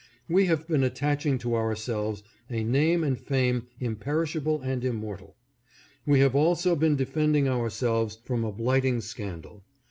We have been attaching to ourselves a name and fame imperishable and immortal ; we have also been defending ourselves from a blighting scandal.